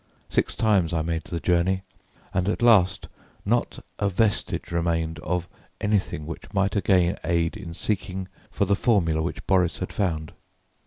Six times I made the journey, and at last, not a vestige remained of anything which might again aid in seeking for the formula which Boris had found.